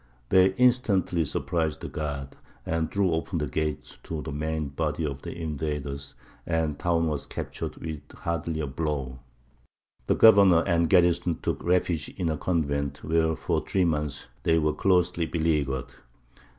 They instantly surprised the guard, and threw open the gates to the main body of the invaders, and the town was captured with hardly a blow. The governor and garrison took refuge in a convent, where for three months they were closely beleaguered.